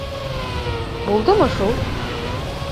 — Булдымы шул?